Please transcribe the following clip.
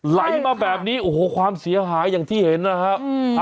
ไหลมาแบบนี้โอ้โหความเสียหายอย่างที่เห็นนะครับ